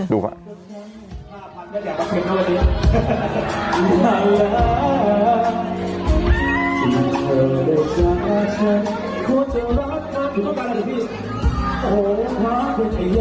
ดูค่ะ